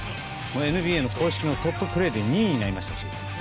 ＮＢＡの公式トッププレーヤーで２位になりましたし。